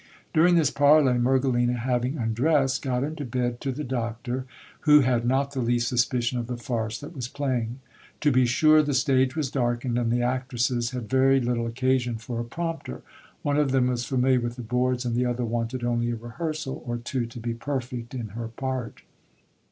During this parley, Mergelina having undressed, got into bed to the doctor, who had n Dt the least suspicion of the farce that was playing. To be sure the stage 70 GIL BLAS. | was darkened, and the actresses had very little occasion for a prompter ; one of them was familiar with the boards, and the other wanted only a rehearsal or two to be perfect in her part.